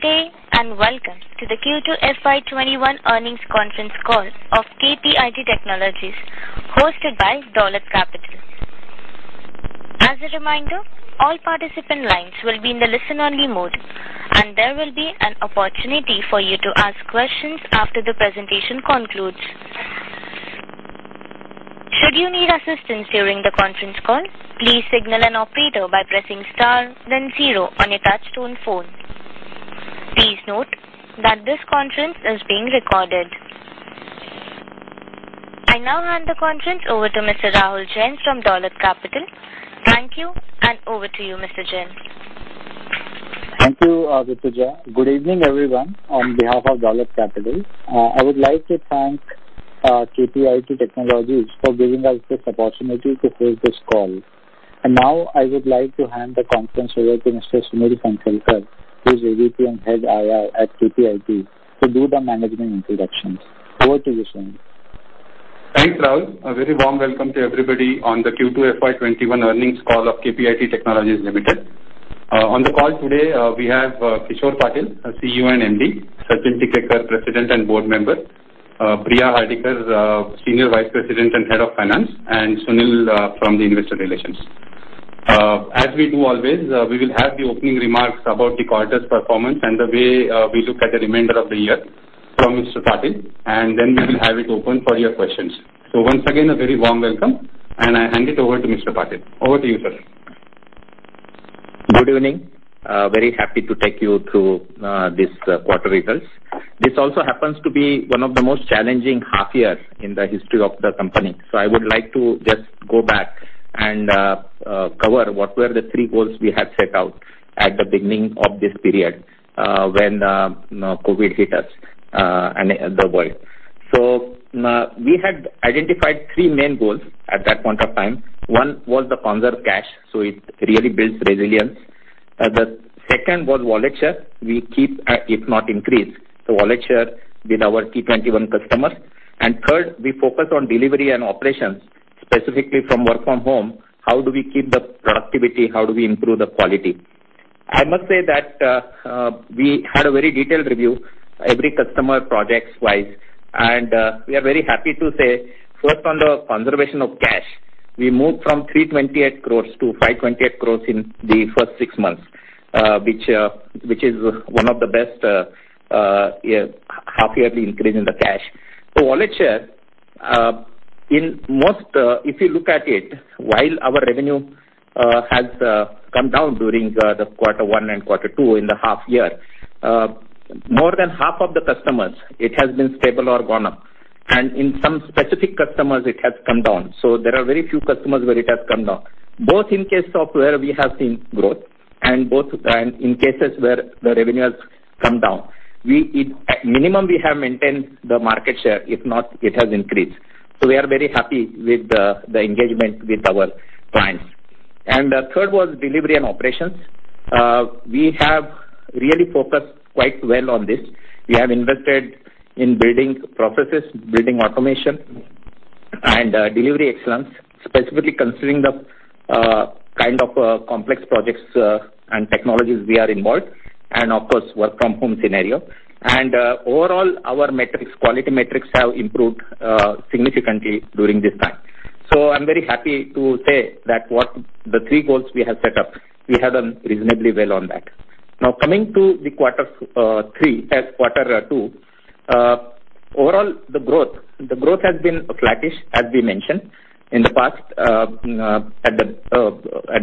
Good day. Welcome to the Q2 FY21 Eearnings Conference Call of KPIT Technologies hosted by Dolat Capital. As a reminder, all participant lines will be in the listen-only mode. There will be an opportunity for you to ask questions after the presentation concludes. Should you need assistance during the conference call, please signal an operator by pressing star then zero on your touch tone phone. PIease note that this conference is being recorded. I now hand the conference over to Mr. Rahul Jain from Dolat Capital. Thank you. Over to you, Mr. Jain. Thank you, Rituja. Good evening, everyone. On behalf of Dolat Capital, I would like to thank KPIT Technologies for giving us this opportunity to host this call. Now I would like to hand the conference over to Mr. Sunil Phansalkar, who's AVP and Head IR at KPIT, to do the management introductions. Over to you, Sunil. Thanks, Rahul. A very warm welcome to everybody on the Q2 FY21 earnings call of KPIT Technologies Limited. On the call today, we have Kishor Patil, our CEO and MD, Sachin Tikekar, President and Board Member, Priya Hardikar, Senior Vice President and Head of Finance, and Sunil from the Investor Relations. As we do always, we will have the opening remarks about the quarter's performance and the way we look at the remainder of the year from Mr. Patil, and then we will have it open for your questions. Once again, a very warm welcome, and I hand it over to Mr. Patil. Over to you, sir. Good evening. Very happy to take you through these quarter results. This also happens to be one of the most challenging half years in the history of the company. I would like to just go back and cover what were the three goals we had set out at the beginning of this period when COVID hit us and the world. We had identified three main goals at that point of time. One was to conserve cash, so it really builds resilience. The second was wallet share. We keep, if not increase, the wallet share with our T21 customers. Third, we focus on delivery and operations, specifically from work from home. How do we keep the productivity? How do we improve the quality? I must say that we had a very detailed review, every customer projects-wise, and we are very happy to say, first, on the conservation of cash, we moved from 328 crores to 528 crores in the first six months, which is one of the best half-yearly increase in the cash. Wallet share, if you look at it, while our revenue has come down during the quarter one and quarter two in the half year, more than half of the customers, it has been stable or gone up. In some specific customers, it has come down. There are very few customers where it has come down. Both in case software, we have seen growth, and in cases where the revenue has come down. At minimum, we have maintained the market share. If not, it has increased. We are very happy with the engagement with our clients. Third was delivery and operations. We have really focused quite well on this. We have invested in building processes, building automation, and delivery excellence, specifically considering the kind of complex projects and technologies we are involved, and of course, work-from-home scenario. Overall, our quality metrics have improved significantly during this time. I'm very happy to say that the three goals we have set up, we have done reasonably well on that. Now, coming to the quarter two. Overall, the growth has been flattish, as we mentioned at the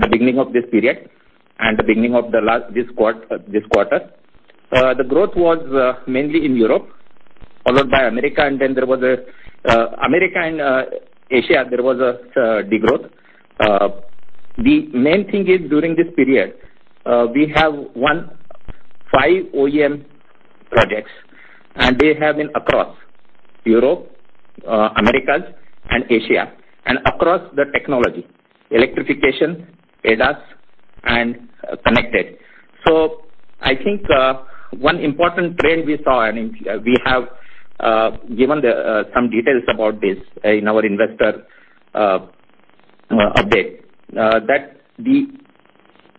beginning of this period and the beginning of this quarter. The growth was mainly in Europe, followed by America, and then America and Asia, there was a degrowth. The main thing is, during this period, we have won five OEM projects, and they have been across Europe, Americas, and Asia, and across the technology, electrification, ADAS, and connected. I think one important trend we saw, and we have given some details about this in our investor update, that the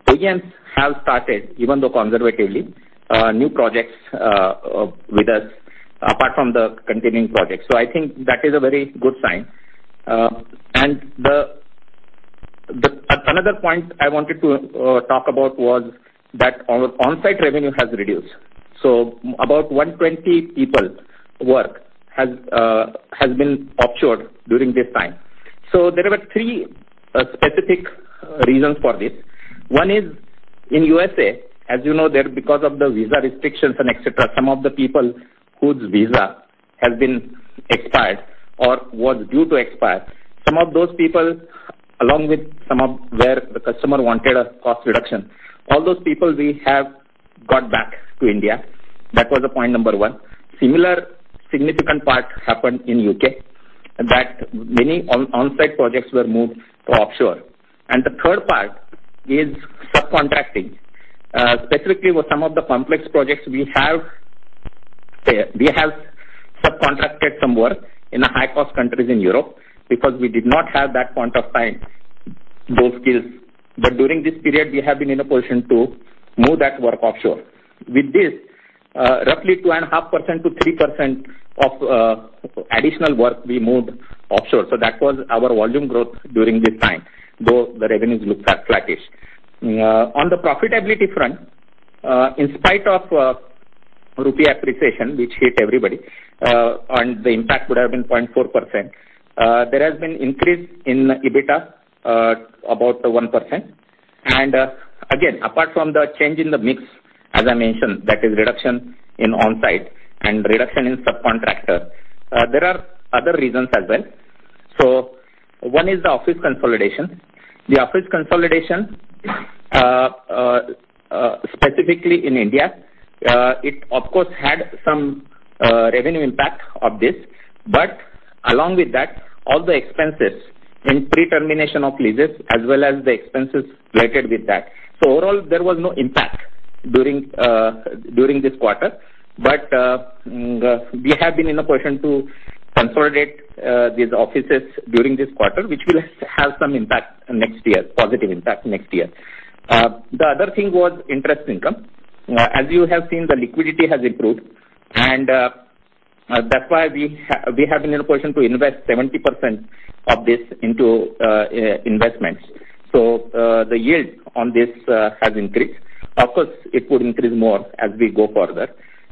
OEMs have started, even though conservatively, new projects with us apart from the continuing projects. I think that is a very good sign. Another point I wanted to talk about was that our onsite revenue has reduced. About 120 people work has been offshored during this time. There were three specific reasons for this. One is in USA, as you know, there, because of the visa restrictions and et cetera, some of the people whose visa has been expired or was due to expire. Some of those people, along with some of where the customer wanted a cost reduction, all those people we have got back to India. That was point number one. Similar significant part happened in U.K., that many onsite projects were moved to offshore. The third part is subcontracting. Specifically with some of the complex projects We have subcontracted some work in the high-cost countries in Europe because we did not have that point of time, those skills. During this period, we have been in a position to move that work offshore. With this, roughly 2.5%-3% of additional work we moved offshore. That was our volume growth during this time, though the revenues looked flat-ish. On the profitability front, in spite of rupee appreciation, which hit everybody, the impact would have been 0.4%. There has been increase in EBITDA, about 1%. Again, apart from the change in the mix, as I mentioned, that is reduction in on-site and reduction in subcontractor, there are other reasons as well. One is the office consolidation. The office consolidation, specifically in India, it, of course, had some revenue impact of this. Along with that, all the expenses in pre-termination of leases as well as the expenses related with that. Overall, there was no impact during this quarter, but we have been in a position to consolidate these offices during this quarter, which will have some impact next year, positive impact next year. The other thing was interest income. As you have seen, the liquidity has improved, and that's why we have been in a position to invest 70% of this into investments. Of course, it would increase more as we go further.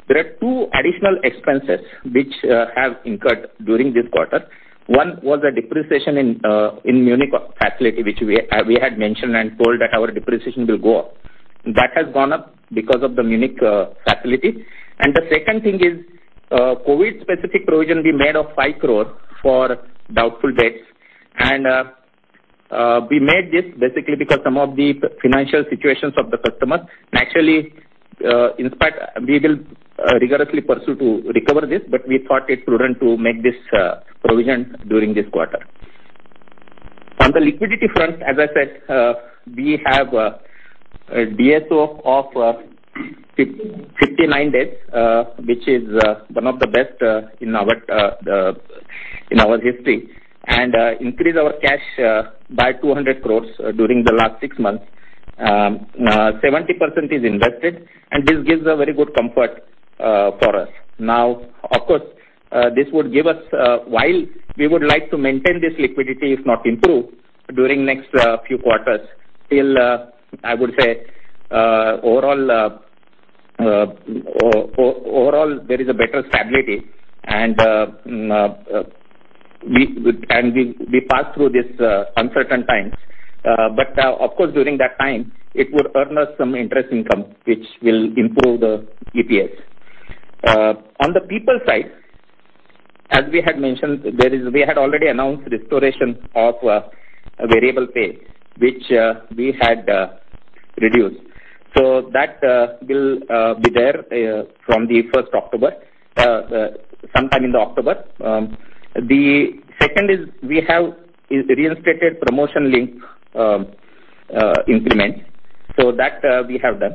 There are two additional expenses which have incurred during this quarter. One was a depreciation in Munich facility, which we had mentioned and told that our depreciation will go up. That has gone up because of the Munich facility. The second thing is, COVID-specific provision we made of 5 crore for doubtful debts. We made this basically because some of the financial situations of the customers naturally, in spite we will rigorously pursue to recover this, but we thought it prudent to make this provision during this quarter. On the liquidity front, as I said, we have a DSO of 59 days, which is one of the best in our history, and increase our cash by 200 crore during the last six months. 70% is invested, and this gives a very good comfort for us. Of course, this would give us, while we would like to maintain this liquidity, if not improve during next few quarters, till, I would say, overall, there is a better stability, and we pass through these uncertain times. Of course, during that time, it would earn us some interest income, which will improve the EPS. On the people side, as we had mentioned, we had already announced restoration of variable pay, which we had reduced. That will be there from the 1st October, sometime in the October. The second is we have reinstated promotion link increments, so that we have done.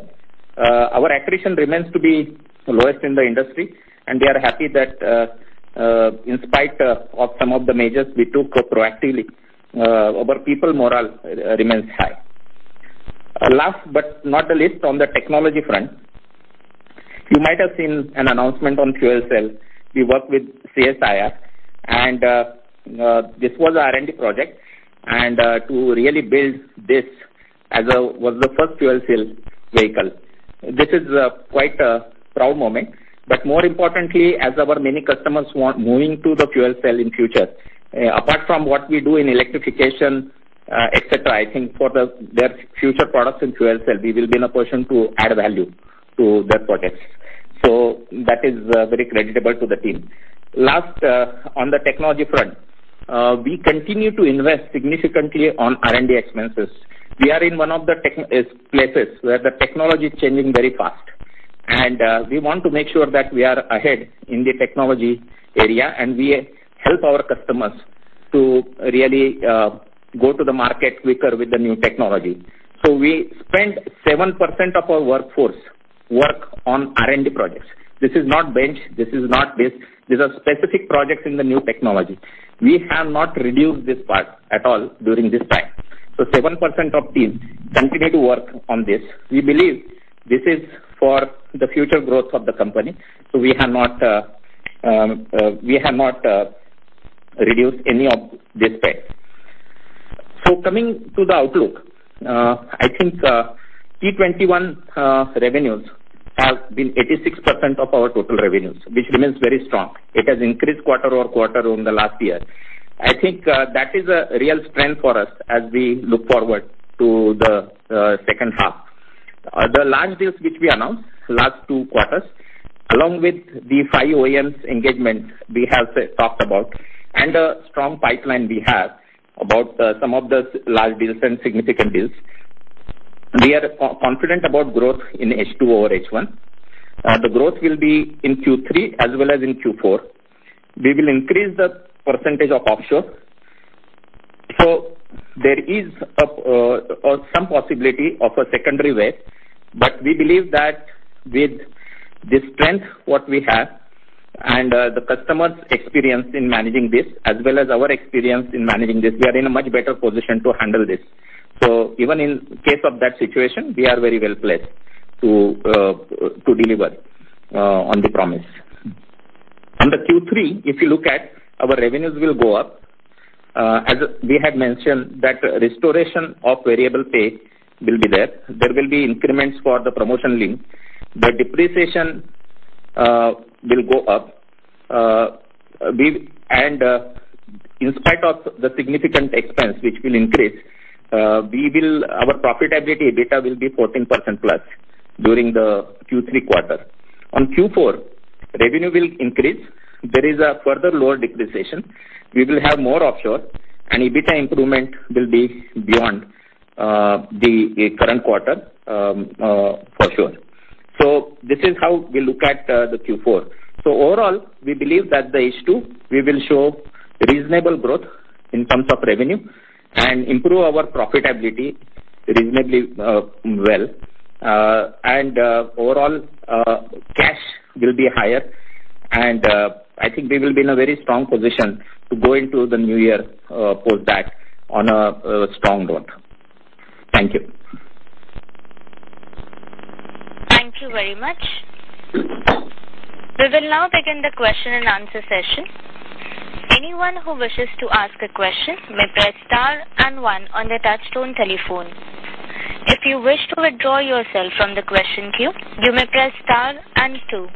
Our attrition remains to be lowest in the industry, and we are happy that in spite of some of the measures we took proactively, our people morale remains high. Last but not the least, on the technology front, you might have seen an announcement on fuel cell. We work with CSIR. This was a R&D project. To really build this as was the first fuel cell vehicle, this is quite a proud moment. More importantly, as our many customers want moving to the fuel cell in future, apart from what we do in electrification, et cetera, I think for their future products in fuel cell, we will be in a position to add value to their projects. That is very creditable to the team. Last, on the technology front, we continue to invest significantly on R&D expenses. We are in one of the tech places where the technology is changing very fast. We want to make sure that we are ahead in the technology area. We help our customers to really go to the market quicker with the new technology. We spend 7% of our workforce work on R&D projects. This is not bench, this is not this. These are specific projects in the new technology. We have not reduced this part at all during this time. 7% of teams continue to work on this. We believe this is for the future growth of the company. We have not reduced any of this spend. Coming to the outlook, I think T21 revenues have been 86% of our total revenues, which remains very strong. It has increased quarter-over-quarter in the last year. I think that is a real strength for us as we look forward to the second half. The large deals which we announced last two quarters, along with the five OEMs engagements we have talked about and the strong pipeline we have about some of those large deals and significant deals, we are confident about growth in H2 over H1. The growth will be in Q3 as well as in Q4. We will increase the percentage of offshore. There is some possibility of a secondary wave, but we believe that with the strength what we have and the customers' experience in managing this, as well as our experience in managing this, we are in a much better position to handle this. Even in case of that situation, we are very well-placed to deliver on the promise. On the Q3, if you look at our revenues will go up. As we had mentioned that restoration of variable pay will be there. There will be increments for the promotion link. The depreciation will go up. In spite of the significant expense which will increase, our profitability EBITDA will be 14%+ during the Q3 quarter. On Q4, revenue will increase. There is a further lower depreciation. We will have more offshore and EBITDA improvement will be beyond the current quarter for sure. This is how we look at the Q4. Overall, we believe that the H2, we will show reasonable growth in terms of revenue and improve our profitability reasonably well. Overall, cash will be higher and I think we will be in a very strong position to go into the new year post that on a strong note. Thank you. Thank you very much. We will now begin the question and answer session. Anyone who wishes to ask a question may press star and one on their touchtone telephone. If you wish to withdraw yourself from the question queue, you may press star and two.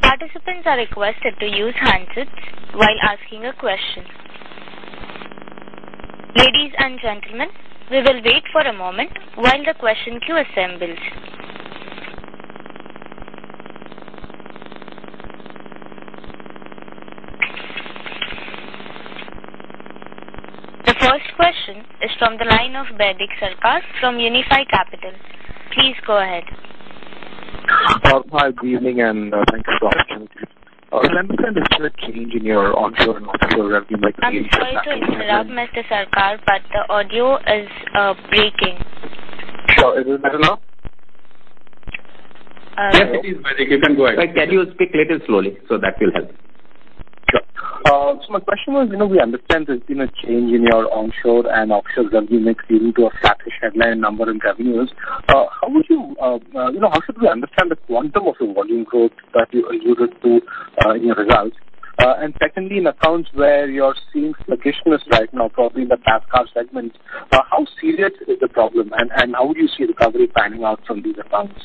Participants are requested to use handsets while asking a question. Ladies and gentlemen, we will wait for a moment while the question queue assembles. The first question is from the line of Baidik Sarkar from Unifi Capital. Please go ahead. Hi, good evening and thanks for asking. We understand there's been a change in your onshore and offshore revenue. I'm sorry to interrupt, Mr. Sarkar, but the audio is breaking. Sure. Is it better now? Yes, it is better. You can go ahead. Can you speak little slowly, that will help. Sure. My question was, we understand there's been a change in your onshore and offshore revenue mix leading to a flattish headline number in revenues. How should we understand the quantum of your volume growth that you alluded to in your results? Secondly, in accounts where you're seeing sluggishness right now, probably in the passenger car segment, how serious is the problem and how would you see recovery panning out from these accounts?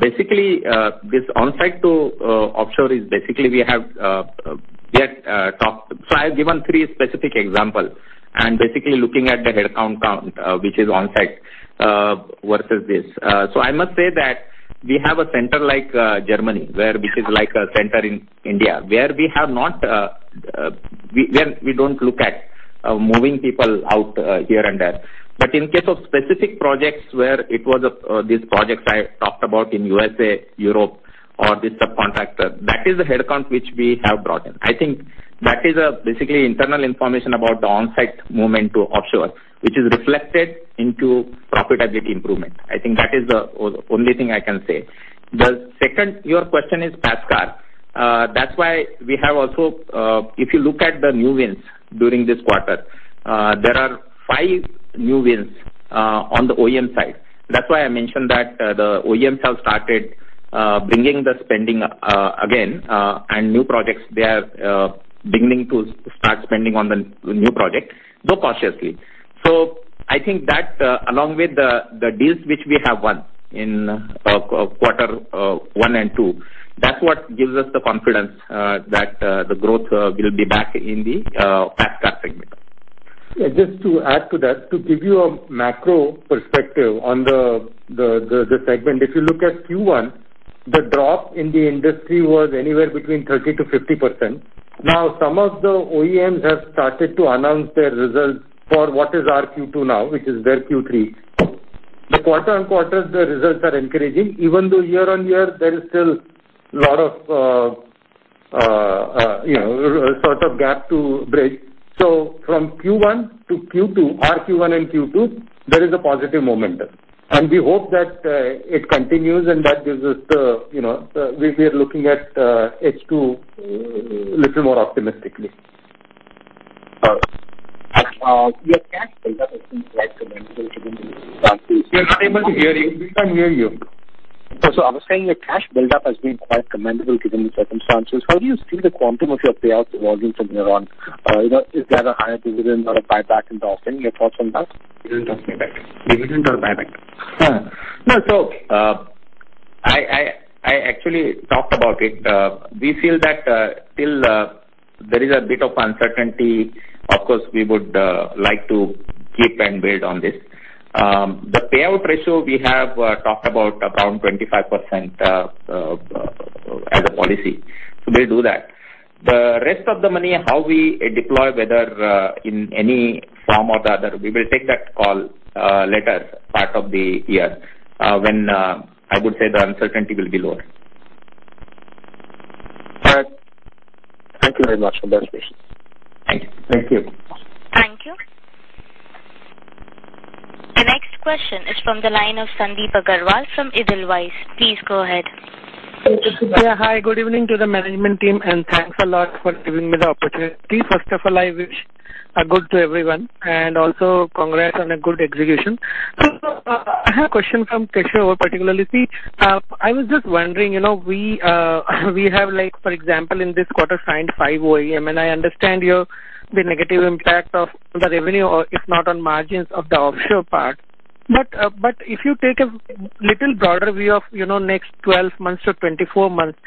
Basically, this onsite to offshore is basically I have given three specific examples and basically looking at the headcount which is onsite versus this. I must say that we have a center like Germany which is like a center in India where we don't look at moving people out here and there. In case of specific projects where it was these projects I talked about in U.S.A., Europe, or the subcontractor, that is the head count which we have brought in. I think that is basically internal information about the onsite movement to offshore, which is reflected into profitability improvement. I think that is the only thing I can say. The second, your question is PACCAR. We have also, if you look at the new wins during this quarter, there are five new wins on the OEM side. I mentioned that the OEMs have started bringing the spending again, and new projects, they are beginning to start spending on the new project, though cautiously. I think that along with the deals which we have won in quarter one and two, that's what gives us the confidence that the growth will be back in the passenger car segment. Yeah, just to add to that, to give you a macro perspective on the segment. If you look at Q1, the drop in the industry was anywhere between 30%-50%. Some of the OEMs have started to announce their results for what is our Q2 now, which is their Q3. The quarter-on-quarter, the results are encouraging, even though year-on-year, there is still lot of sort of gap to bridge. From Q1 to Q2, our Q1 and Q2, there is a positive momentum. We hope that it continues. We are looking at H2 little more optimistically. Your cash buildup has been quite commendable given the circumstances. We are not able to hear you. We can't hear you. I was saying your cash buildup has been quite commendable given the circumstances. How do you see the quantum of your payouts evolving from here on? Is there a higher dividend or a buyback in the offing? Your thoughts on that? Dividend or buyback. No. I actually talked about it. We feel that till there is a bit of uncertainty, of course, we would like to keep and build on this. The payout ratio we have talked about around 25% as a policy. We'll do that. The rest of the money, how we deploy, whether in any form or the other, we will take that call later part of the year when I would say the uncertainty will be lower. Thank you very much for the clarification. Thank you. Thank you. The next question is from the line of Sandeep Agarwal from Edelweiss. Please go ahead. Yeah. Hi. Good evening to the management team, and thanks a lot for giving me the opportunity. First of all, I wish a good to everyone, and also congrats on a good execution. I have a question from Techshaw particularly. I was just wondering, we have, for example, in this quarter signed five OEM, and I understand the negative impact of the revenue, if not on margins of the offshore part. If you take a little broader view of next 12 months or 24 months,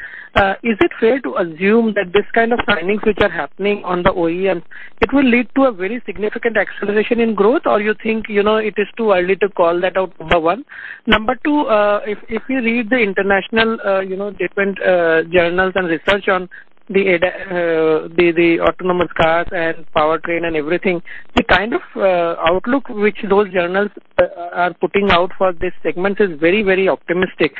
is it fair to assume that this kind of signings which are happening on the OEM, it will lead to a very significant acceleration in growth? You think it is too early to call that out, number one? Number 2, if you read the international different journals and research on the autonomous cars and powertrain and everything, the kind of outlook which those journals are putting out for this segment is very optimistic.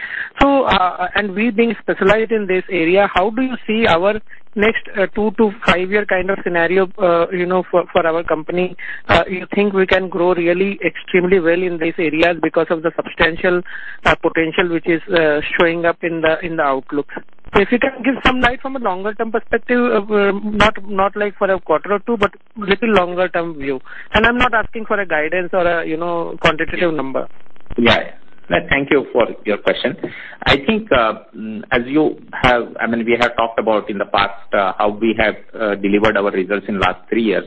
We being specialized in this area, how do you see our next two to five-year scenario for our company? You think we can grow really extremely well in these areas because of the substantial potential which is showing up in the outlook? If you can give some light from a longer-term perspective, not like for a quarter or two, but little longer-term view. I'm not asking for a guidance or a quantitative number. Thank you for your question. I think, we have talked about in the past how we have delivered our results in last three years.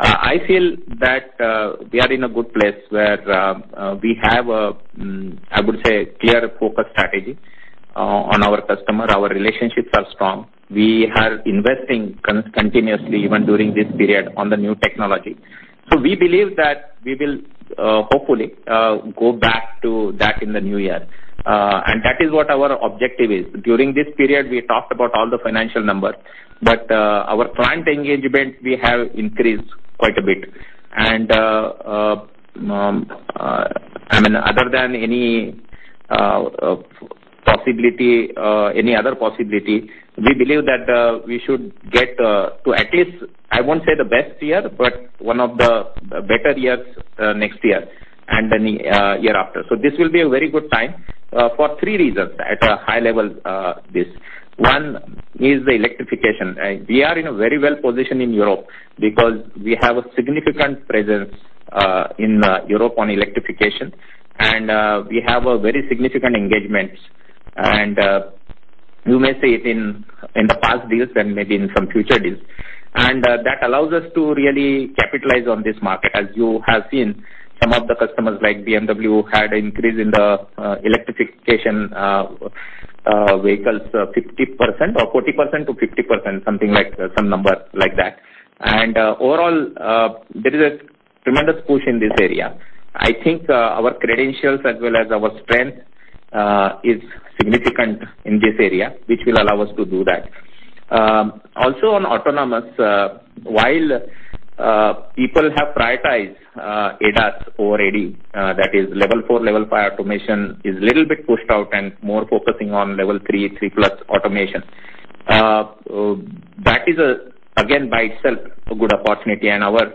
I feel that we are in a good place where we have, I would say, clear focus strategy on our customer. Our relationships are strong. We are investing continuously, even during this period on the new technology. We believe that we will hopefully go back to that in the new year. That is what our objective is. During this period, we talked about all the financial numbers, our client engagement, we have increased quite a bit. Other than any other possibility, we believe that we should get to at least, I won't say the best year, but one of the better years next year, and any year after. This will be a very good time for three reasons at a high level this. One is the electrification. We are in a very well position in Europe because we have a significant presence in Europe on electrification, and we have a very significant engagement. You may see it in the past deals and maybe in some future deals. That allows us to really capitalize on this market. As you have seen, some of the customers like BMW had an increase in the electrification vehicles 40%-50%, some number like that. Overall, there is a tremendous push in this area. I think our credentials as well as our strength is significant in this area, which will allow us to do that. On autonomous, while people have prioritized ADAS over AD, that is level 4, level 5 automation is little bit pushed out and more focusing on level 3 plus automation. That is again by itself a good opportunity, and our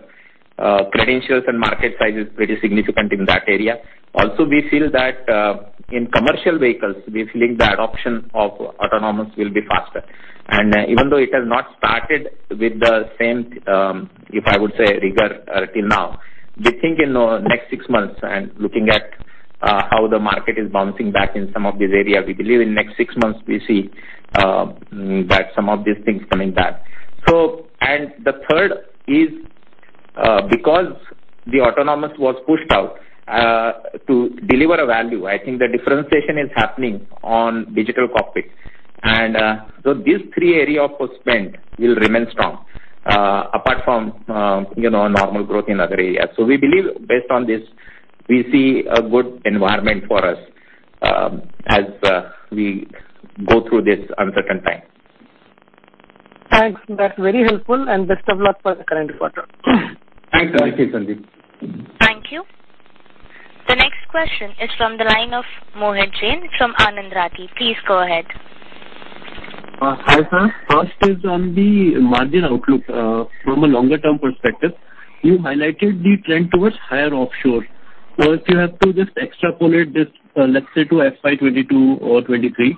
credentials and market size is pretty significant in that area. We feel that in commercial vehicles, we feel like the adoption of autonomous will be faster. Even though it has not started with the same, if I would say rigor till now, we think in the next six months and looking at how the market is bouncing back in some of these areas, we believe in next six months, we see that some of these things coming back. The third is because the autonomous was pushed out to deliver a value, I think the differentiation is happening on digital cockpit. These three area of spend will remain strong, apart from normal growth in other areas. We believe based on this, we see a good environment for us as we go through this uncertain time. Thanks. That's very helpful, and best of luck for the current quarter. Thanks. Thank you. The next question is from the line of Mohit Jain from Anand Rathi. Please go ahead. Hi, sir. First is on the margin outlook. From a longer-term perspective, you highlighted the trend towards higher offshore. If you have to just extrapolate this, let's say to FY 2022 or 2023.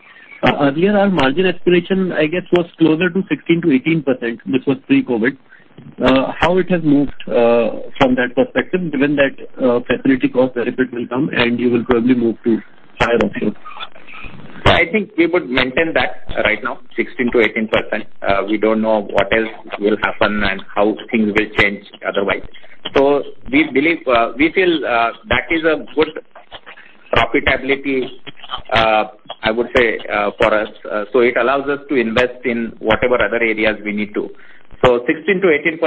Earlier our margin aspiration, I guess, was closer to 16%-18%, this was pre-COVID. How it has moved from that perspective given that facility cost benefit will come and you will probably move to higher offshore? I think we would maintain that right now, 16%-18%. We don't know what else will happen and how things will change otherwise. We feel that is a good profitability, I would say, for us. It allows us to invest in whatever other areas we need to. 16%-18%,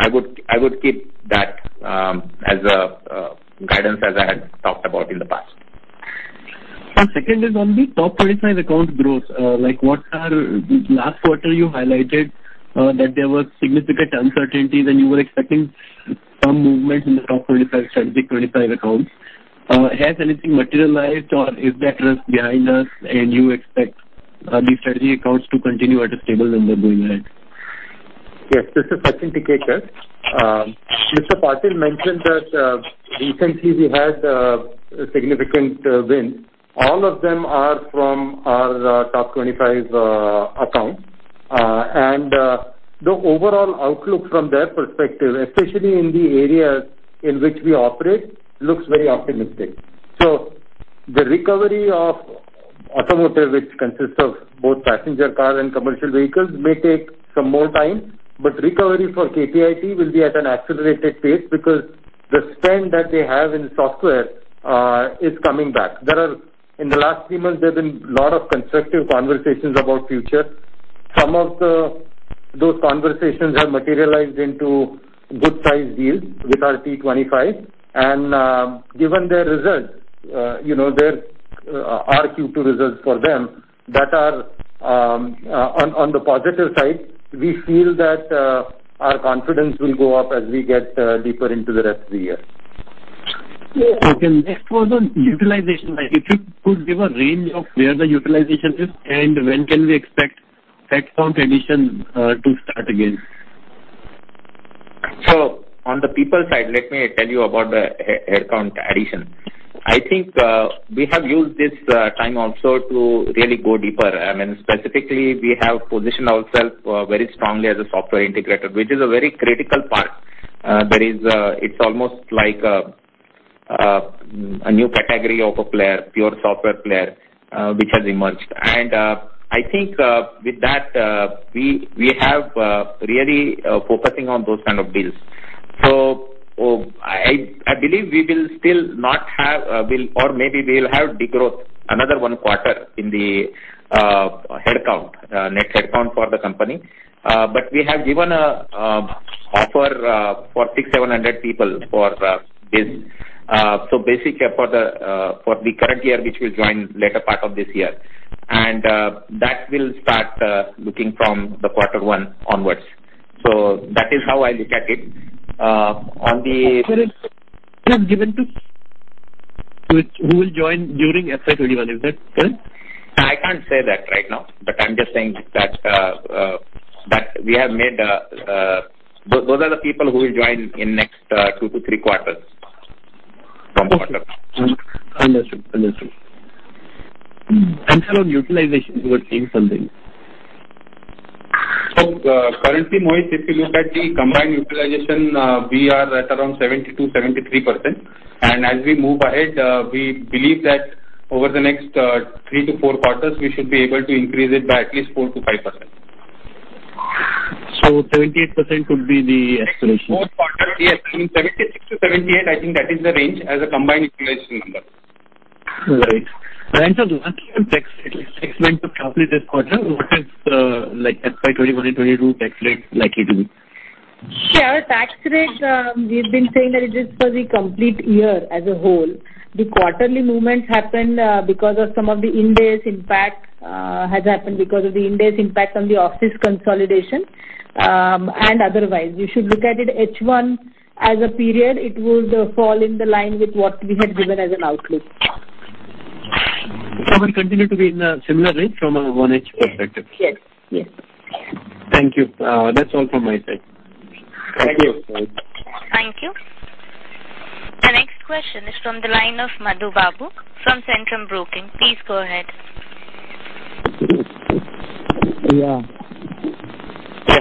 I would keep that as a guidance as I had talked about in the past. Sir, second is on the top 35 accounts growth. Last quarter you highlighted that there was significant uncertainty, then you were expecting some movement in the top strategic 25 accounts. Has anything materialized or is that risk behind us and you expect these strategy accounts to continue at a stable number going ahead? Yes. This is Sachin Tikekar. Mr. Patil mentioned that recently we had a significant win. All of them are from our top 25 accounts. The overall outlook from their perspective, especially in the areas in which we operate, looks very optimistic. The recovery of automotive, which consists of both passenger car and commercial vehicles, may take some more time, but recovery for KPIT will be at an accelerated pace because the spend that they have in software is coming back. In the last three months, there have been a lot of constructive conversations about future. Some of those conversations have materialized into good-sized deals with our T25 and given their Q2 results for them that are on the positive side, we feel that our confidence will go up as we get deeper into the rest of the year. Okay. Next one on utilization. If you could give a range of where the utilization is and when can we expect headcount addition to start again? On the people side, let me tell you about the headcount addition. I think we have used this time also to really go deeper. Specifically, we have positioned ourselves very strongly as a software integrator, which is a very critical part. It's almost like a new category of a player, pure software player, which has emerged. I think with that, we have really focusing on those kind of deals. I believe we will still not have, or maybe we'll have de-growth another one quarter in the net headcount for the company. We have given an offer for 6,700 people for this. Basically, for the current year, which will join later part of this year. That will start looking from the quarter one onwards. That is how I look at it. Sir, it's not given Who will join during FY 2021, is that correct? I can't say that right now, but I'm just saying those are the people who will join in next two to three quarters. Understood. Sir, on utilization, you were saying something. Currently, Mohit, if you look at the combined utilization, we are at around 72%, 73%. As we move ahead, we believe that over the next three to four quarters, we should be able to increase it by at least 4%-5%. 78% would be the estimation. Fourth quarter, yes, between 76%-78%, I think that is the range as a combined utilization number. All right. Priya, one thing, tax rate. Explain to complete this quarter what is FY 2021 and 2022 tax rate likely to be? Sure. Tax rate, we've been saying that it is for the complete year as a whole. The quarterly movements happened because of some of the Ind AS impact on the office consolidation, and otherwise. You should look at it H1 as a period, it would fall in the line with what we had given as an outlook. It will continue to be in a similar range from a one H perspective. Yes. Thank you. That's all from my side. Thank you. Thank you. Thank you. The next question is from the line of Madhu Babu from Centrum Broking. Please go ahead. Yeah.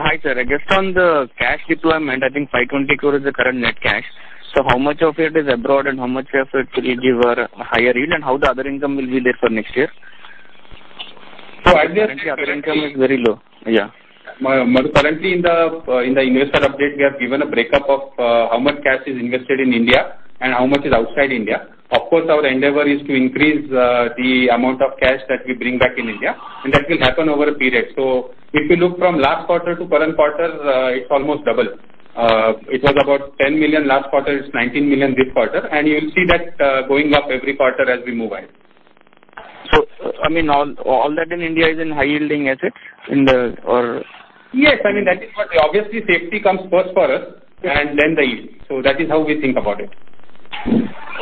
Hi, sir. Just on the cash deployment, I think 520 crore is the current net cash. How much of it is abroad and how much of it will give a higher yield and how the other income will be there for next year? I guess- Current income is very low. Yeah. Madhu, currently in the investor update, we have given a breakup of how much cash is invested in India and how much is outside India. Our endeavor is to increase the amount of cash that we bring back in India, and that will happen over a period. If you look from last quarter to current quarter, it's almost double. It was about 10 million last quarter, it's 19 million this quarter, and you'll see that going up every quarter as we move ahead. All that in India is in high-yielding assets? Yes. Obviously, safety comes first for us and then the yield. That is how we think about it.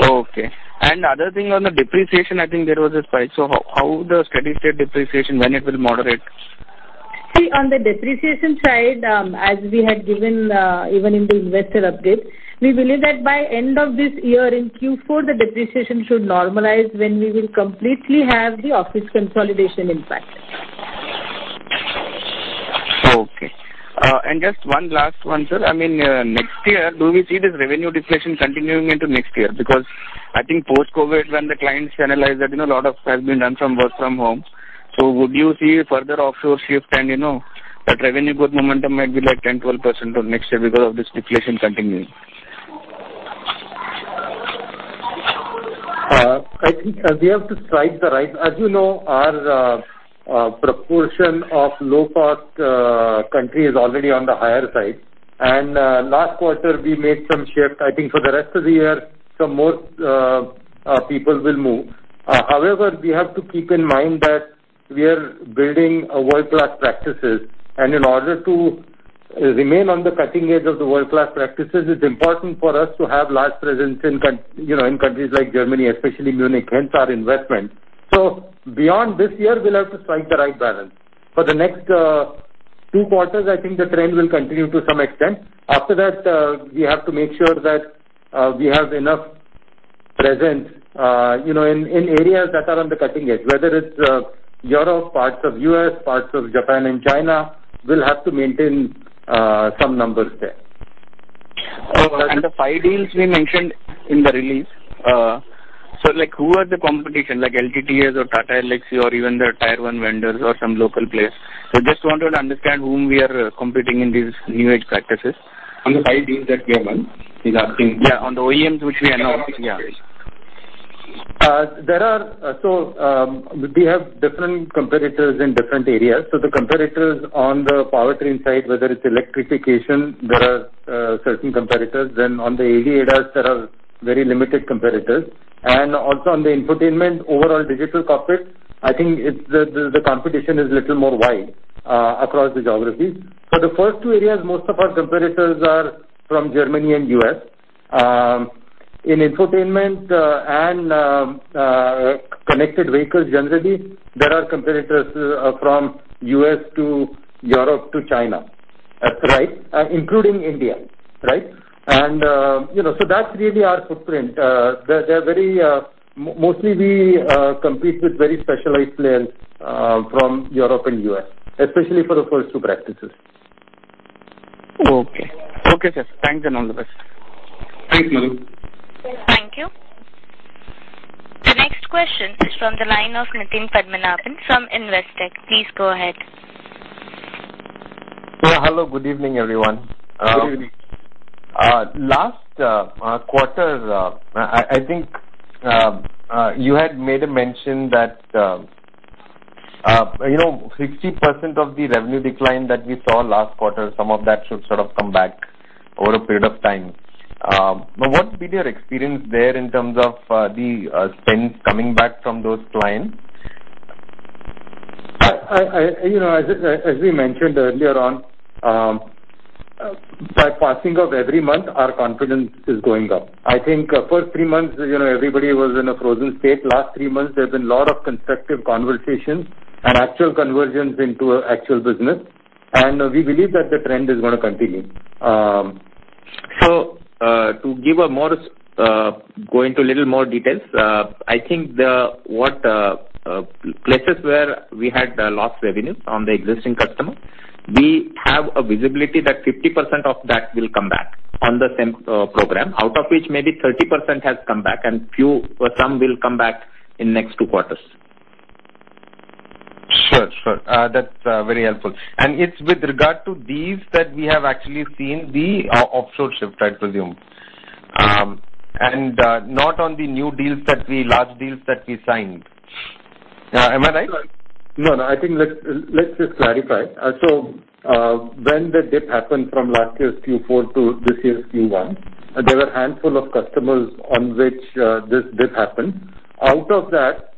Okay. Other thing on the depreciation, I think there was a spike. How the steady state depreciation, when it will moderate? On the depreciation side, as we had given even in the investor update, we believe that by end of this year in Q4, the depreciation should normalize when we will completely have the office consolidation impact. Okay. Just one last one, sir. Next year, do we see this revenue deflation continuing into next year? I think post-COVID, when the clients analyze that a lot of has been done from work from home, would you see further offshore shift and that revenue growth momentum might be 10%, 12% next year because of this deflation continuing? As you know, our proportion of low-cost country is already on the higher side. Last quarter, we made some shift. I think for the rest of the year, some more people will move. We have to keep in mind that we are building a world-class practices, and in order to remain on the cutting edge of the world-class practices. It's important for us to have large presence in countries like Germany, especially Munich, hence our investment. Beyond this year, we'll have to strike the right balance. For the next two quarters, I think the trend will continue to some extent. After that, we have to make sure that we have enough presence in areas that are on the cutting edge, whether it's Europe, parts of U.S., parts of Japan and China, we'll have to maintain some numbers there. The five deals we mentioned in the release. Who are the competition? Like LTTS or Tata Elxsi or even the tier 1 vendors or some local players. Just wanted to understand whom we are competing in these new-age practices. On the five deals that we have won? Is that thing? Yeah, on the OEMs which we announced. Yeah. We have different competitors in different areas. The competitors on the powertrain side, whether it's electrification, there are certain competitors. On the ADAS, there are very limited competitors. Also on the infotainment, overall digital cockpit, I think the competition is little more wide across the geographies. For the first two areas, most of our competitors are from Germany and U.S. In infotainment and connected vehicles, generally, there are competitors from U.S. to Europe to China, including India. That's really our footprint. Mostly we compete with very specialized players from Europe and U.S., especially for the first two practices. Okay. Okay, sir. Thanks and all the best. Thank you. Thank you. The next question is from the line of Nitin Padmanabhan from Investec. Please go ahead. Hello, good evening, everyone. Good evening. Last quarter, I think you had made a mention that 60% of the revenue decline that we saw last quarter, some of that should sort of come back over a period of time. What's been your experience there in terms of the spend coming back from those clients? As we mentioned earlier on, by passing of every month, our confidence is going up. I think first three months, everybody was in a frozen state. Last three months, there's been a lot of constructive conversations and actual conversions into actual business, and we believe that the trend is going to continue. To go into a little more details, I think what places where we had lost revenue from the existing customer, we have a visibility that 50% of that will come back on the same program, out of which maybe 30% has come back and some will come back in next two quarters. Sure. That's very helpful. It's with regard to these that we have actually seen the offshore shift, I presume, and not on the large deals that we signed. Am I right? No, I think let's just clarify. When the dip happened from last year's Q4 to this year's Q1, there were a handful of customers on which this dip happened. Out of that,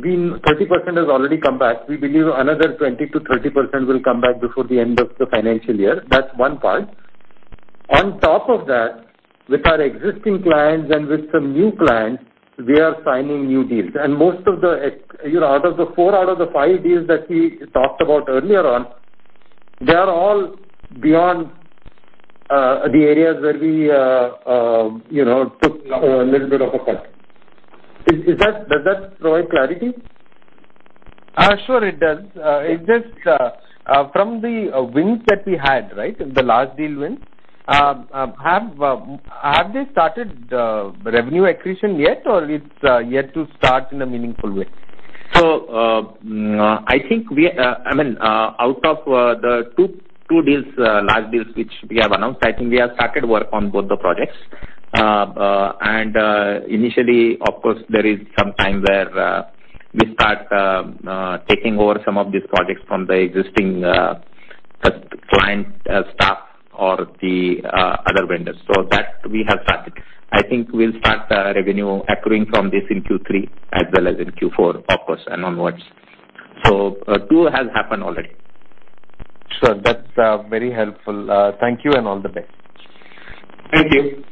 30% has already come back. We believe another 20%-30% will come back before the end of the financial year. That's one part. On top of that, with our existing clients and with some new clients, we are signing new deals. Out of the four out of the five deals that we talked about earlier on, they are all beyond the areas where we took a little bit of a cut. Does that provide clarity? Sure, it does. It's just from the wins that we had. The large deal wins. Have they started revenue accretion yet, or it's yet to start in a meaningful way? I think out of the two large deals which we have announced, I think we have started work on both the projects. Initially, of course, there is some time where we start taking over some of these projects from the existing client staff or the other vendors. That we have started. I think we will start revenue accruing from this in Q3 as well as in Q4, of course, and onwards. Two has happened already. Sure. That's very helpful. Thank you and all the best. Thank you.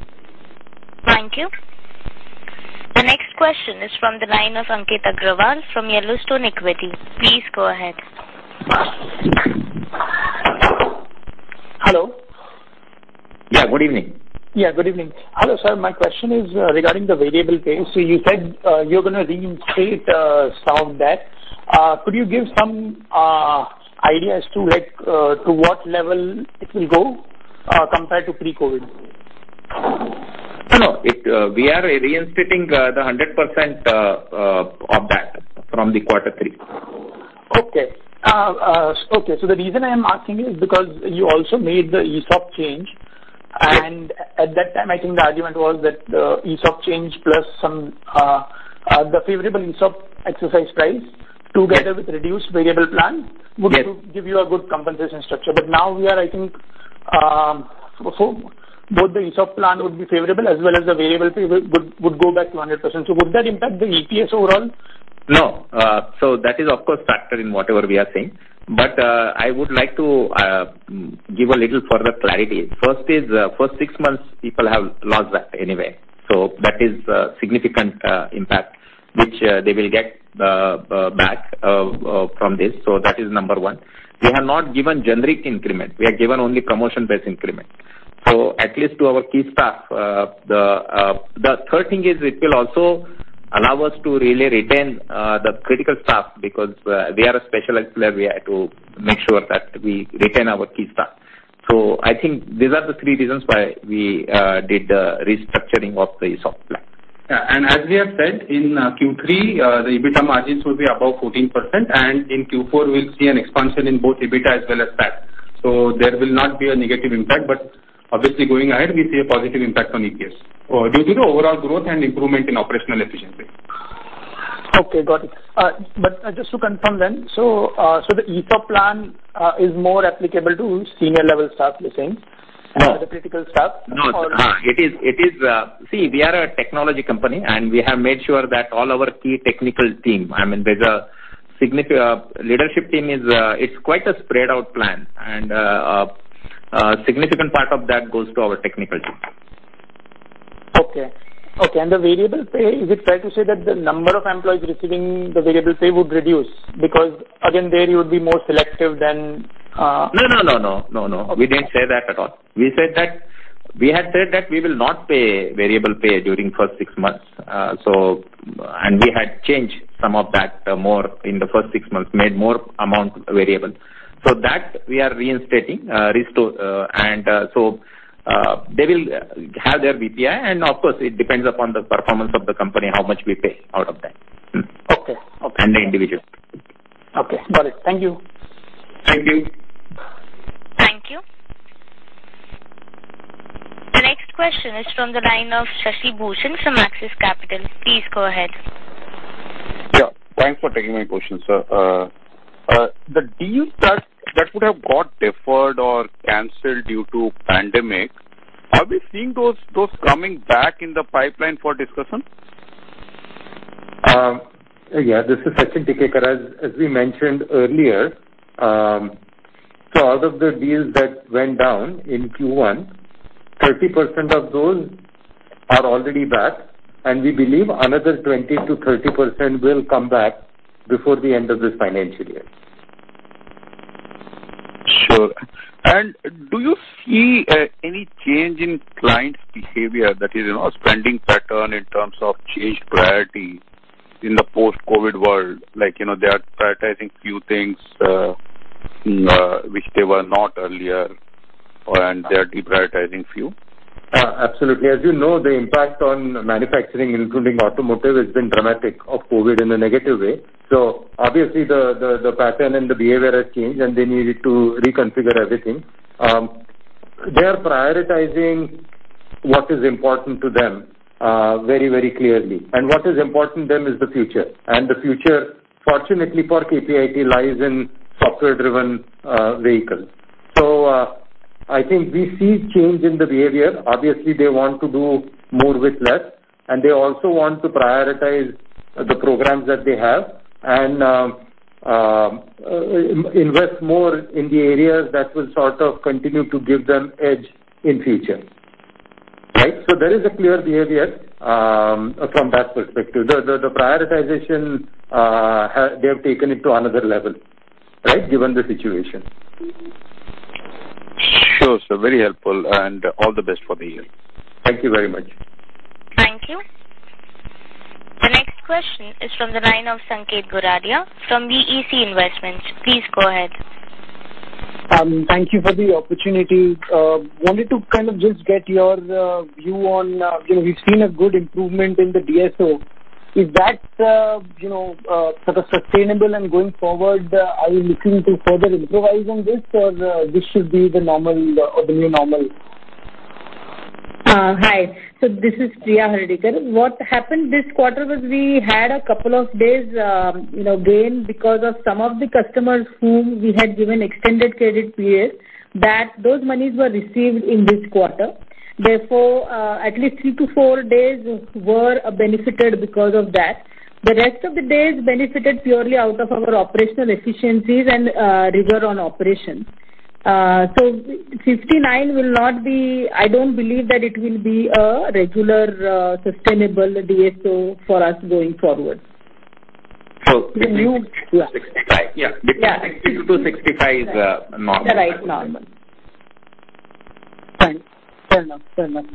Thank you. The next question is from the line of Ankit Agrawal from Yellowstone Equity. Please go ahead. Hello. Yeah, good evening. Yeah, good evening. Hello sir, my question is regarding the variable pay. You said you're going to reinstate some of that. Could you give some ideas to what level it will go compared to pre-COVID? We are reinstating the 100% of that from the quarter three. Okay. The reason I'm asking is because you also made the ESOP change, and at that time, I think the argument was that the ESOP change plus the favorable ESOP exercise price together with reduced variable plan would give you a good compensation structure. Now we are, I think both the ESOP plan would be favorable as well as the variable pay would go back to 100%. Would that impact the EPS overall? No. That is of course factored in whatever we are saying. I would like to give a little further clarity. First is, first six months, people have lost that anyway. That is a significant impact which they will get back from this. That is number one. We have not given generic increment. We have given only promotion-based increment. At least to our key staff. The third thing is it will also allow us to really retain the critical staff because they are a specialized player. We have to make sure that we retain our key staff. I think these are the three reasons why we did the restructuring of the software. Yeah. As we have said in Q3, the EBITDA margins will be above 14%, and in Q4 we'll see an expansion in both EBITDA as well as PAT. There will not be a negative impact, but obviously going ahead, we see a positive impact on EPS due to the overall growth and improvement in operational efficiency. Okay, got it. Just to confirm then, the ESOP plan is more applicable to senior-level staff, you're saying? No. The critical staff? No. See, we are a technology company and we have made sure that all our key technical team, the leadership team, it's quite a spread-out plan, and a significant part of that goes to our technical team. Okay. The variable pay, is it fair to say that the number of employees receiving the variable pay would reduce because again, there you would be more selective than? No. We didn't say that at all. We had said that we will not pay variable pay during first six months. We had changed some of that more in the first six months, made more amount variable. That we are reinstating. They will have their VPI and of course it depends upon the performance of the company how much we pay out of that. Okay. The individual. Okay. Got it. Thank you. Thank you. Thank you. The next question is from the line of Shashi Bhushan from Axis Capital. Please go ahead. Yeah. Thanks for taking my question, sir. The deals that would have got deferred or canceled due to pandemic, are we seeing those coming back in the pipeline for discussion? Yeah. This is Sachin Tikekar. As we mentioned earlier, out of the deals that went down in Q1, 30% of those are already back, and we believe another 20%-30% will come back before the end of this financial year. Sure. Do you see any change in clients' behavior, that is, spending pattern in terms of changed priority in the post-COVID world? Like, they are prioritizing few things which they were not earlier, and they are deprioritizing few. Absolutely. As you know, the impact on manufacturing, including automotive, has been dramatic of COVID in a negative way. Obviously the pattern and the behavior has changed and they needed to reconfigure everything. They are prioritizing what is important to them very clearly. What is important to them is the future. The future, fortunately for KPIT, lies in software-driven vehicles. I think we see change in the behavior. Obviously, they want to do more with less, and they also want to prioritize the programs that they have and invest more in the areas that will sort of continue to give them edge in future. Right. There is a clear behavior from that perspective. The prioritization, they have taken it to another level. Right? Given the situation. Sure, sir. Very helpful and all the best for the year. Thank you very much. Thank you. The next question is from the line of Sanket Goradia from VEC Investments. Please go ahead. Thank you for the opportunity. Wanted to kind of just get your view on, we've seen a good improvement in the DSO. Is that sustainable and going forward, are you looking to further improvise on this or this should be the new normal? Hi. This is Priya Hardikar. What happened this quarter was we had a couple of days gain because of some of the customers whom we had given extended credit periods, that those money were received in this quarter. Therefore, at least three to four days were benefited because of that. The rest of the days benefited purely out of our operational efficiencies and rigor on operations. 59, I don't believe that it will be a regular, sustainable DSO for us going forward. Between 60-65 is normal. Right. Normal. Thanks. Fair enough.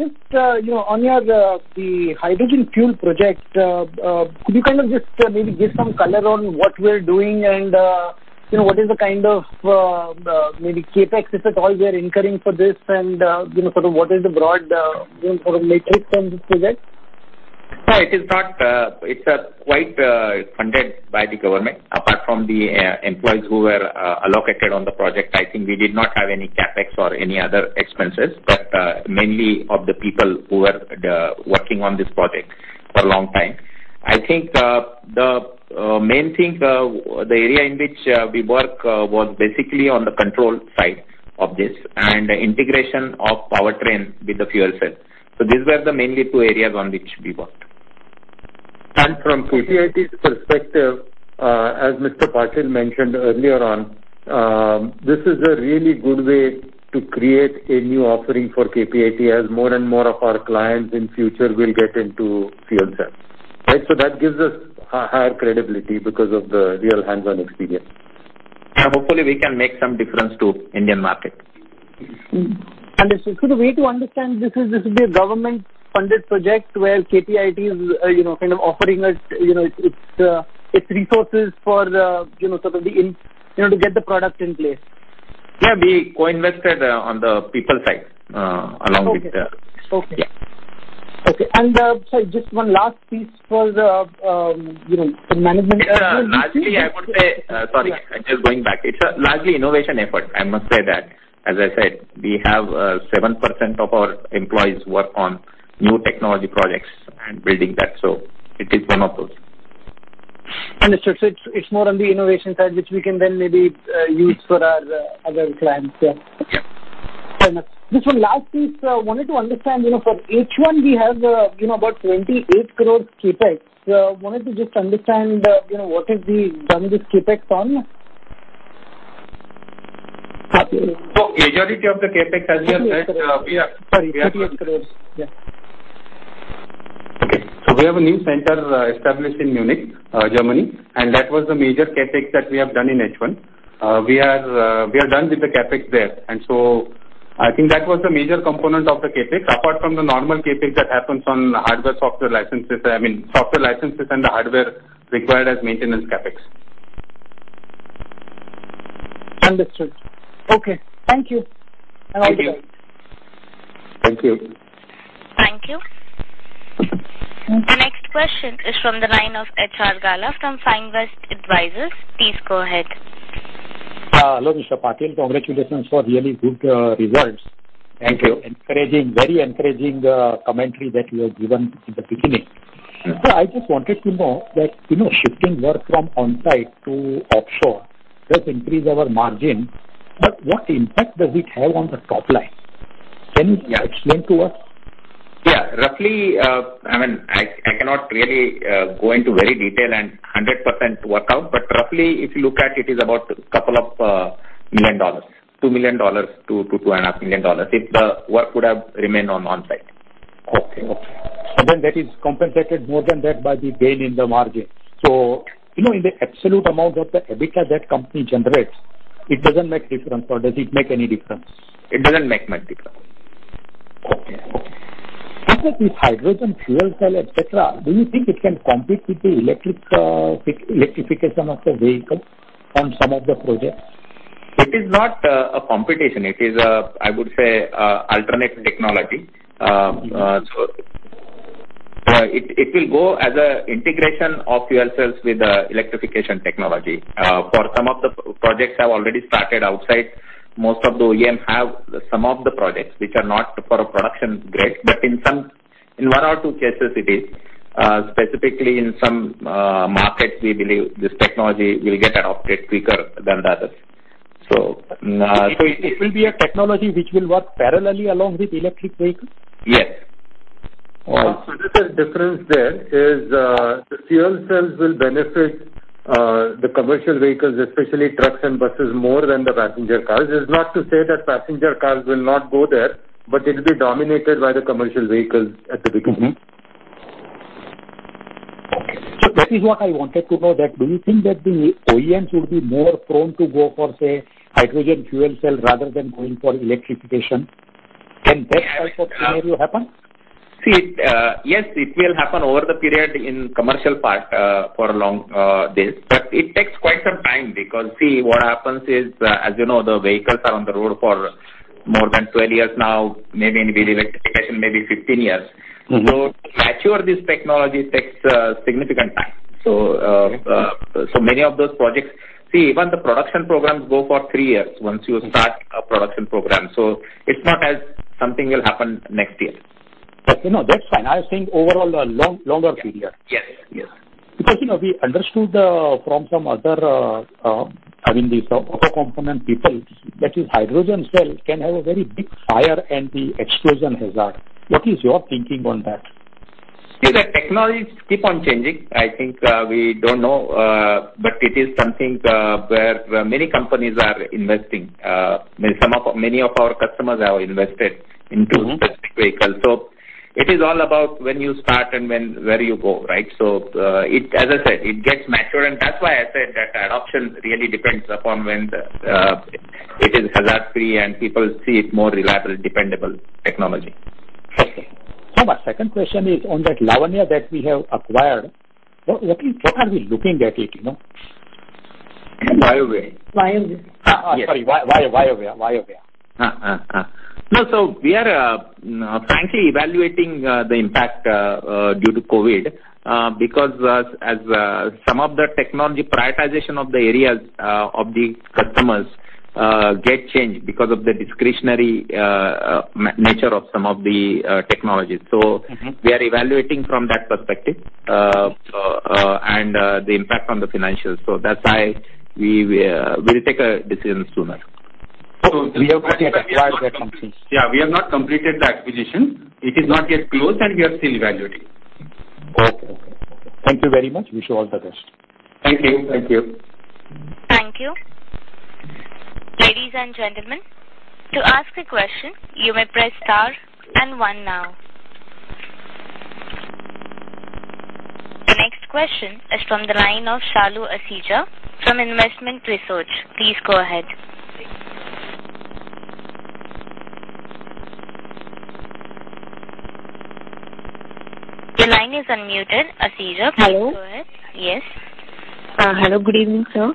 Just on the hydrogen fuel project, could you kind of just maybe give some color on what we're doing and what is the kind of maybe CapEx, if at all, we are incurring for this and sort of what is the broad sort of matrix on this project? It's quite funded by the government. Apart from the employees who were allocated on the project, I think we did not have any CapEx or any other expenses, but mainly of the people who were working on this project for a long time. I think the main thing, the area in which we work was basically on the control side of this and integration of powertrain with the fuel cell. These were the mainly two areas on which we worked. From KPIT's perspective, as Mr. Patil mentioned earlier on, this is a really good way to create a new offering for KPIT as more and more of our clients in future will get into fuel cells. That gives us a higher credibility because of the real hands-on experience. Hopefully, we can make some difference to Indian market. Understood. The way to understand this is, this will be a government-funded project where KPIT is kind of offering its resources to get the product in place. Yeah. We co-invested on the people side along with the- Okay. Yeah. Okay. Sorry, just one last piece for the management. Sorry, just going back. It's a largely innovation effort, I must say that. As I said, we have 7% of our employees work on new technology projects and building that. It is one of those. Understood. It's more on the innovation side, which we can then maybe use for our other clients, yeah. Yeah. Fair enough. Just one last piece. I wanted to understand, for H1, we have about 28 crore CapEx. I wanted to just understand what have we done this CapEx on? Majority of the CapEx, as we have said. Sorry, INR 28 crores, yeah. Okay. We have a new center established in Munich, Germany, and that was the major CapEx that we have done in H1. We are done with the CapEx there, and so I think that was the major component of the CapEx, apart from the normal CapEx that happens on software licenses and the hardware required as maintenance CapEx. Understood. Okay. Thank you, and have a good day. Thank you. Thank you. The next question is from the line of HR Gala from FineWest Advisors. Please go ahead. Hello, Mr. Patil. Congratulations for really good results. Thank you. Very encouraging commentary that you have given in the beginning. I just wanted to know that shifting work from on-site to offshore does increase our margin, but what impact does it have on the top line? Can you explain to us? Yeah. I cannot really go into very detail and 100% work out. Roughly, if you look at it is about a couple of million dollars, $2 million-$2.5 million if the work would have remained on on-site. Okay. That is compensated more than that by the gain in the margin. In the absolute amount of the EBITDA that company generates, it doesn't make difference, or does it make any difference? It doesn't make much difference. Okay. With hydrogen fuel cell, et cetera, do you think it can compete with the electrification of the vehicle on some of the projects? It is not a competition. It is, I would say, alternate technology. It will go as an integration of fuel cells with electrification technology. Some of the projects have already started outside. Most of the OEM have some of the projects which are not for a production grade, but in one or two cases it is. Specifically in some markets, we believe this technology will get adopted quicker than the others. It will be a technology which will work parallelly along with electric vehicles? Yes. Wow. Little difference there is the fuel cells will benefit the commercial vehicles, especially trucks and buses, more than the passenger cars. It's not to say that passenger cars will not go there, but it'll be dominated by the commercial vehicles at the beginning. That is what I wanted to know, that do you think that the OEMs will be more prone to go for, say, hydrogen fuel cell rather than going for electrification? Can that type of scenario happen? Yes, it will happen over the period in commercial part for a long days. It takes quite some time because, as you know, the vehicles are on the road for more than 12 years now, maybe in electrification, maybe 15 years. To mature this technology takes significant time. Many of those projects. Even the production programs go for three years once you start a production program. It's not as something will happen next year. No, that's fine. I was saying overall a longer period. Yes. We understood from some other auto component people, that is hydrogen cell can have a very big fire and the explosion hazard. What is your thinking on that? The technologies keep on changing. I think we don't know, it is something where many companies are investing. Many of our customers have invested into such vehicles. It is all about when you start and where you go, right? As I said, it gets matured, that's why I said that adoption really depends upon when it is hazard-free and people see it more reliable, dependable technology. Okay. My second question is on that Vayavya Labs that we have acquired. What are we looking at it? Vayavya. Vayavya. Yes. Sorry, Vayavya. No. We are frankly evaluating the impact due to COVID because as some of the technology prioritization of the areas of the customers get changed because of the discretionary nature of some of the technologies. We are evaluating from that perspective and the impact on the financials. That's why we will take a decision sooner. We have not yet acquired that company. Yeah, we have not completed the acquisition. It is not yet closed, and we are still evaluating. Okay. Thank you very much. Wish you all the best. Thank you. Thank you. The next question is from the line of Shalu Asija from Investment Research. Please go ahead. Your line is unmuted, Asija. Hello. Please go ahead. Yes. Hello. Good evening, sir.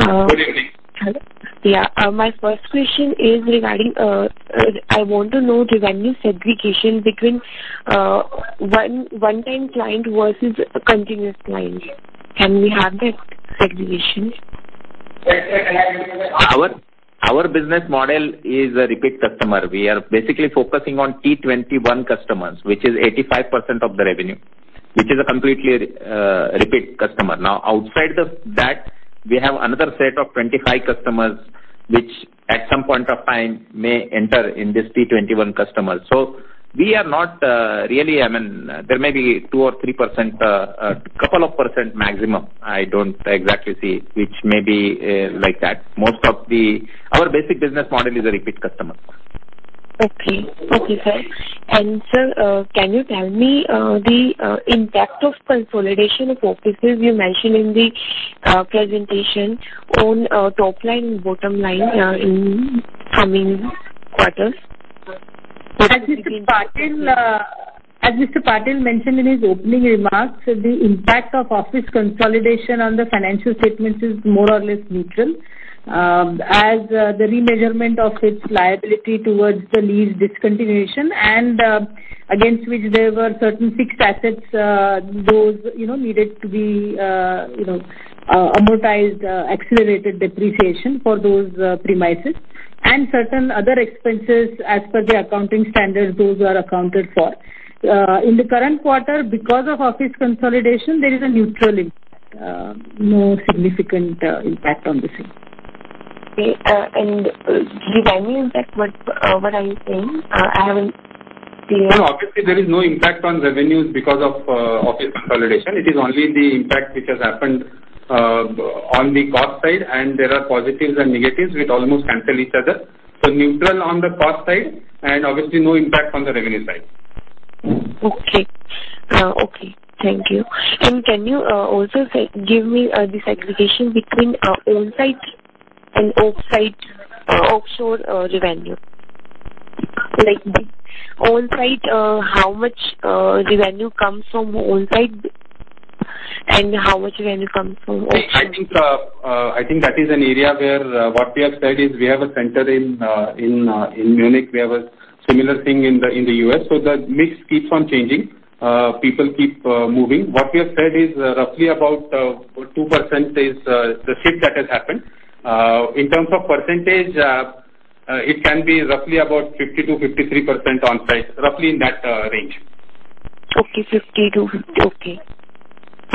Good evening. Hello. Yeah. My first question is regarding, I want to know revenue segregation between one-time client versus a continuous client. Can we have that segregation? Our business model is a repeat customer. We are basically focusing on T21 customers, which is 85% of the revenue, which is a completely repeat customer. Outside that, we have another set of 25 customers, which at some point of time may enter in this T21 customers. There may be 2% or 3%, couple of percent maximum. I don't exactly see which may be like that. Most of our basic business model is a repeat customer. Okay, sir. Sir, can you tell me the impact of consolidation of offices you mentioned in the presentation on top line, bottom line in coming quarters? As Mr. Patil mentioned in his opening remarks, the impact of office consolidation on the financial statements is more or less neutral. As the remeasurement of its liability towards the lease discontinuation and against which there were certain fixed assets, those needed to be amortized, accelerated depreciation for those premises, and certain other expenses as per the accounting standards, those were accounted for. In the current quarter, because of office consolidation, there is a neutral impact. No significant impact on the same. Okay. Revenue impact what are you saying? I haven't seen. Obviously, there is no impact on revenues because of office consolidation. It is only the impact which has happened on the cost side, and there are positives and negatives which almost cancel each other. Neutral on the cost side, and obviously no impact on the revenue side. Okay. Thank you. Can you also give me the segregation between on-site and offshore revenue? Like on-site, how much revenue comes from on-site, and how much revenue comes from offshore? I think that is an area where what we have said is we have a center in Munich. We have a similar thing in the U.S. The mix keeps on changing. People keep moving. What we have said is roughly about 2% is the shift that has happened. In terms of percentage, it can be roughly about 50%-53% on-site, roughly in that range.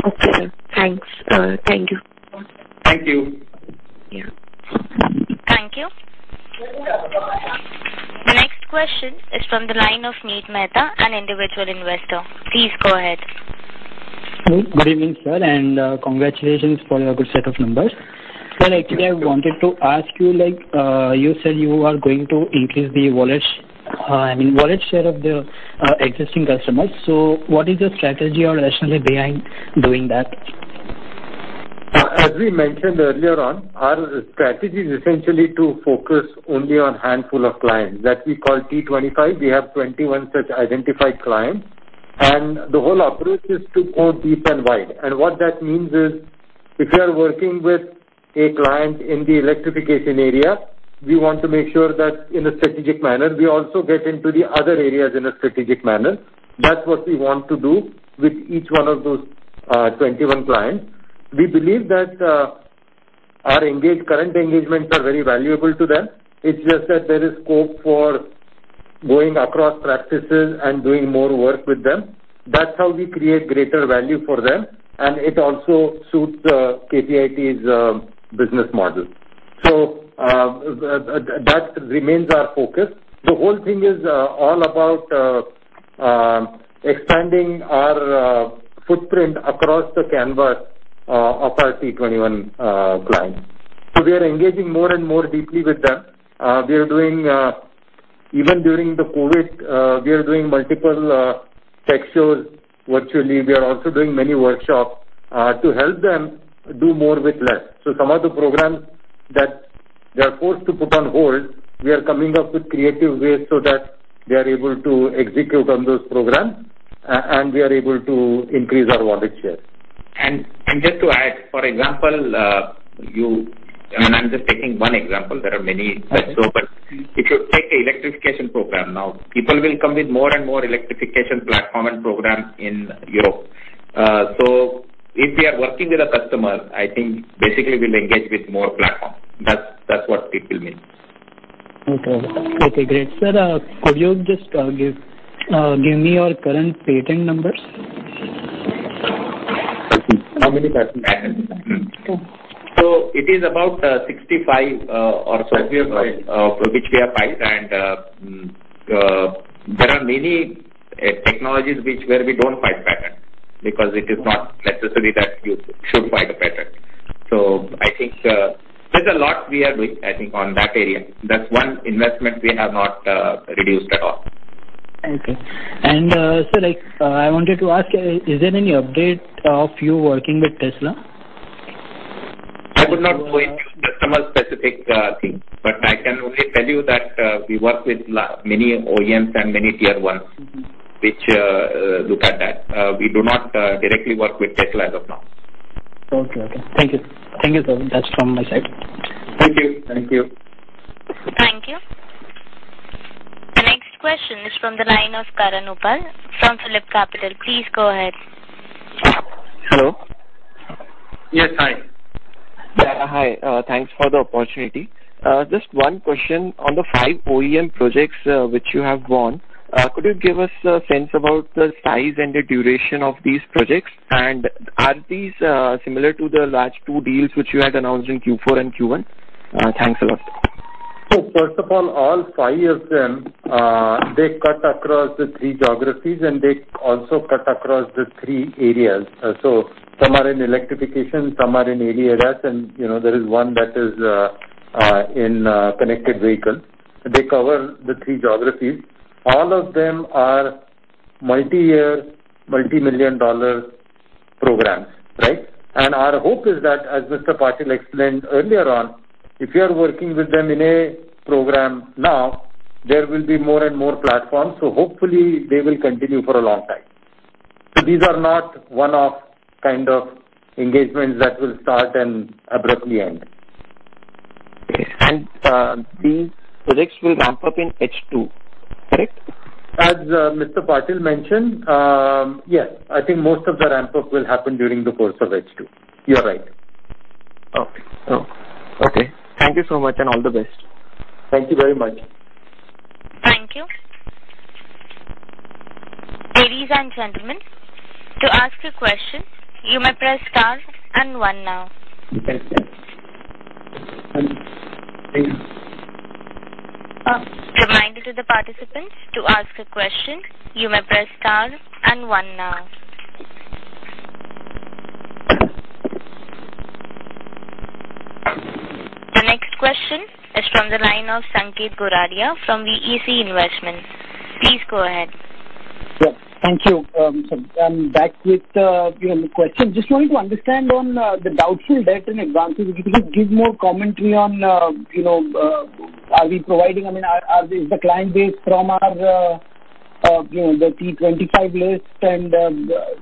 Okay, 52. Okay. Okay, sir. Thanks. Thank you. Thank you. Thank you. The next question is from the line of Nit Mehta, an individual investor. Please go ahead. Good evening, sir. Congratulations for your good set of numbers. Sir, actually, I wanted to ask you said you are going to increase the wallet share of the existing customers. What is your strategy or rationale behind doing that? As we mentioned earlier on, our strategy is essentially to focus only on handful of clients that we call T25. We have 21 such identified clients. The whole approach is to go deep and wide. What that means is, if you are working with a client in the electrification area, we want to make sure that in a strategic manner, we also get into the other areas in a strategic manner. That's what we want to do with each one of those 21 clients. We believe that our current engagements are very valuable to them. It's just that there is scope for going across practices and doing more work with them. That's how we create greater value for them. It also suits KPIT's business model. That remains our focus. The whole thing is all about expanding our footprint across the canvas of our T21 clients. We are engaging more and more deeply with them. Even during the COVID, we are doing multiple tech shows virtually. We are also doing many workshops to help them do more with less. Some of the programs that they're forced to put on hold, we are coming up with creative ways so that they are able to execute on those programs, and we are able to increase our wallet share. Just to add, for example, and I'm just taking one example. There are many such. If you take the electrification program now, people will come with more and more electrification platform and program in Europe. If we are working with a customer, I think basically we'll engage with more platforms. That's what it will mean. Okay, great. Sir, could you just give me your current patent numbers? How many patents do you have? It is about 65 or so. 65 which we have filed, and there are many technologies where we don't file patent, because it is not necessary that you should file a patent. I think there's a lot we are doing, I think on that area. That's one investment we have not reduced at all. Okay. Sir, I wanted to ask, is there any update of you working with Tesla? I could not go into customer-specific things, but I can only tell you that we work with many OEMs and many tier 1s. Which look at that. We do not directly work with Tesla as of now. Okay. Thank you. Thank you, sir. That's from my side. Thank you. Thank you. The next question is from the line of Karan Uppal from PhillipCapital. Please go ahead. Hello. Yes, hi. Yeah. Hi, thanks for the opportunity. Just one question on the five OEM projects which you have won. Could you give us a sense about the size and the duration of these projects, and are these similar to the last two deals which you had announced in Q4 and Q1? Thanks a lot. First of all five of them cut across the three geographies and they also cut across the three areas. Some are in electrification, some are in ADAS, and there is one that is in connected vehicle. They cover the three geographies. All of them are multi-year, multi-million dollar programs, right? Our hope is that, as Mr. Patil explained earlier on, if you are working with them in a program now, there will be more and more platforms. Hopefully, they will continue for a long time. These are not one-off kind of engagements that will start and abruptly end. Okay. These projects will ramp up in H2, correct? As Mr. Patil mentioned, yes, I think most of the ramp-up will happen during the course of H2. You are right. Okay. Thank you so much, and all the best. Thank you very much. Thank you. Ladies and gentlemen, to ask a question, you may press star and one now. Reminder to the participants, to ask a question, you may press star and one now. The next question is from the line of Sanket Goradia from VEC Investments. Please go ahead. Thank you. I'm back with the question. Just wanting to understand on the doubtful debt and advances. Could you please give more commentary on Is the client base from the T25 list and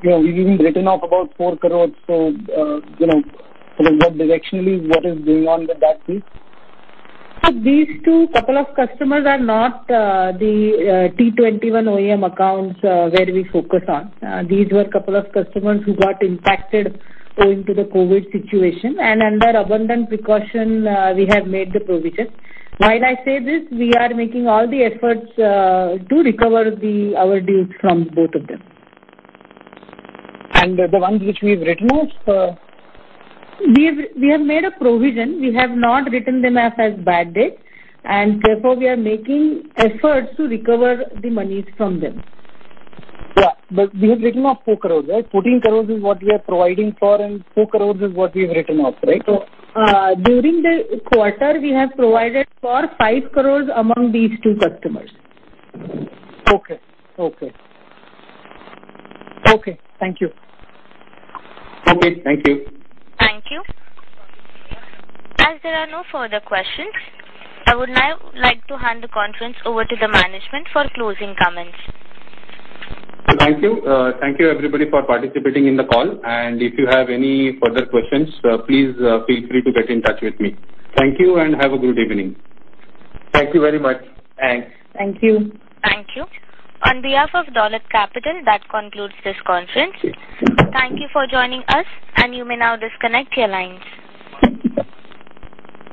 we've even written off about 4 crores. Directionally, what is going on with that piece? These two couple of customers are not the T21 OEM accounts where we focus on. These were a couple of customers who got impacted owing to the COVID situation. Under abundant precaution, we have made the provisions. While I say this, we are making all the efforts to recover our dues from both of them. The ones which we've written off? We have made a provision. We have not written them off as bad debt. Therefore, we are making efforts to recover the money from them. Yeah, we have written off four crores, right? 14 crores is what we are providing for, and four crores is what we've written off, right? During the quarter, we have provided for 5 crore among these two customers. Okay. Thank you. Sanket, thank you. Thank you. As there are no further questions, I would now like to hand the conference over to the management for closing comments. Thank you. Thank you everybody for participating in the call, and if you have any further questions, please feel free to get in touch with me. Thank you and have a good evening. Thank you very much. Thanks. Thank you. Thank you. On behalf of Dolat Capital, that concludes this conference. Thank you for joining us and you may now disconnect your line.